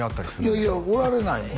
いやいやおられないもん